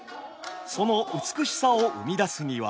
その美しさを生み出すには。